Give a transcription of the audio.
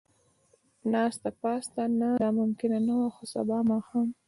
ناسته پاسته، نه دا ممکنه نه وه، خو سبا ماښام.